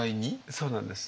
そうなんです。